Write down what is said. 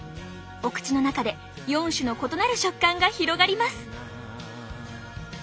お口の中で４種の異なる食感が広がります。